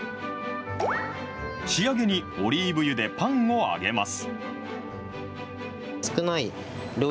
仕上げにオリーブ油でパンを揚げます。